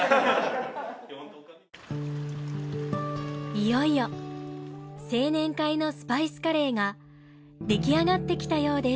いよいよ青年会のスパイスカレーが出来上がってきたようです。